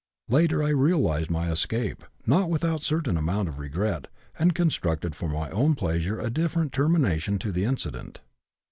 Later I realized my escape, not without a certain amount of regret, and constructed for my own pleasure a different termination to the incident.